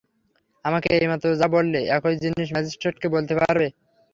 আমাকে এইমাত্র যা বললে একই জিনিস ম্যাজিস্ট্রেটকে বলতে পারবে?